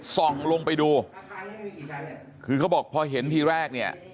ส่องลงไปดูคือเขาบอกพอเห็นทีแรกเนี่ย